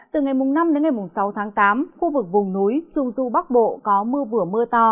từ ngày năm đến ngày sáu tháng tám khu vực vùng núi trung du bắc bộ có mưa vừa mưa to